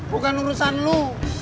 bukan urusan lo